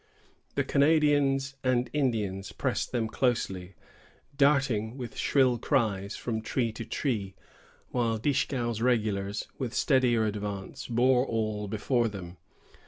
The Canadians and Indians pressed them closely, darting, with shrill cries, from tree to tree, while Dieskau's regulars, with steadier advance, bore all before them.